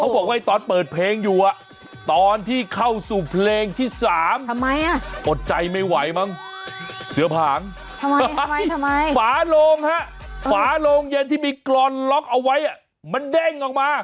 ฝานลงฮะฝานลงเย็นที่มีกลอนล็อคเอาไว้มันเด้งออกมา